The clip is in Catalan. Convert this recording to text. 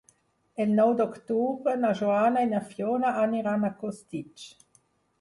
El nou d'octubre na Joana i na Fiona aniran a Costitx.